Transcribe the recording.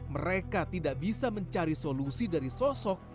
mereka tidak bisa mencari solusi dari sosok